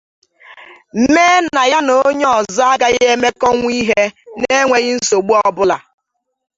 mee na ya na onye ọzọ agaghị emekọnwu ihe n'enweghị nsogbu ọbụla